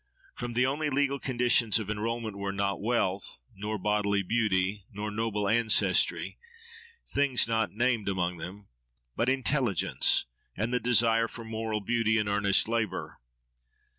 For the only legal conditions of enrolment were—not wealth, nor bodily beauty, nor noble ancestry—things not named among them—but intelligence, and the desire for moral beauty, and earnest labour.